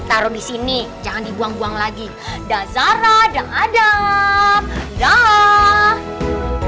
taruh di sini jangan dibuang buang lagi dasari ada adakyah qman kamu senyum